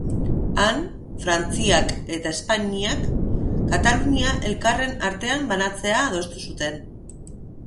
Han, Frantziak eta Espainiak Katalunia elkarren artean banatzea adostu zuten.